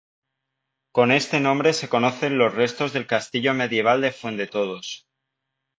Con este nombre se conocen los restos del castillo medieval de Fuendetodos.